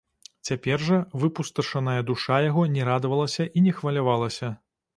Цяпер жа выпусташаная душа яго не радавалася і не хвалявалася.